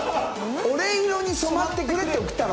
「俺色に染まってくれ」って送ったの？